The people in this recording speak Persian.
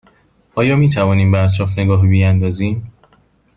آیا می توانیم به اطراف نگاهی بیاندازیم؟